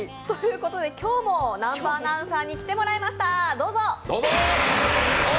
今日も南波アナウンサーに来ていただきました。